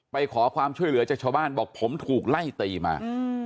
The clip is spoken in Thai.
ไปขอความช่วยเหลือจากชาวบ้านบอกผมถูกไล่ตีมา